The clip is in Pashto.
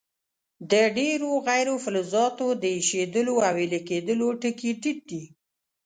د ډیرو غیر فلزاتو د ایشېدلو او ویلي کیدلو ټکي ټیټ دي.